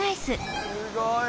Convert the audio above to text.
すごい。